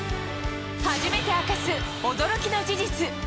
初めて明かす驚きの事実。